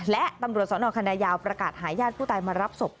และตำรวจสนคณะยาวประกาศหาญาติผู้ตายมารับศพ